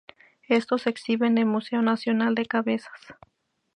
Estos se exhiben en el Museo Nacional de Cabezas.